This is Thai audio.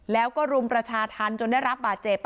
เราก็รุมประชาทันจนได้รับบาดเจ็บ